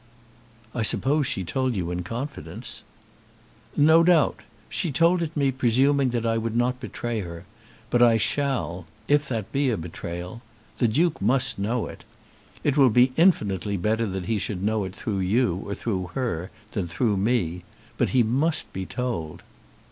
"I suppose she told you in confidence." "No doubt. She told it me presuming that I would not betray her; but I shall, if that be a betrayal. The Duke must know it. It will be infinitely better that he should know it through you, or through her, than through me. But he must be told."